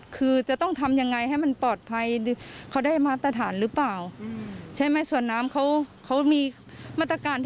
คือต้องฟังทางร้านอาหารด้วยนะคะ